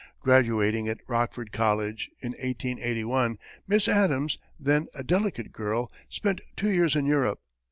Graduating at Rockford College, in 1881, Miss Addams, then a delicate girl, spent two years in Europe.